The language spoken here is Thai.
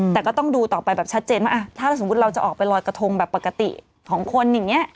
แต่ก็ต้องดูต่อไปแบบชัดเจนว่าถ้าสมมุติเราจะออกไปลอยกระทงแบบปกติของคนอย่างนี้